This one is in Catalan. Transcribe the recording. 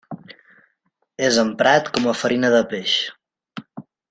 És emprat com a farina de peix.